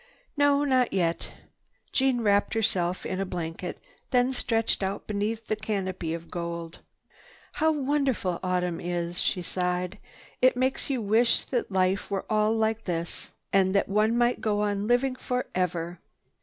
"No. Not yet." Jeanne wrapped herself in a blanket, then stretched out beneath her canopy of gold. "How wonderful autumn is!" she sighed. "It makes you wish that life were all like this and that one might go on living forever.